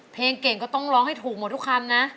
เพลงเก่งก็ต้องร้องให้ถูกหมดทุกคำนะ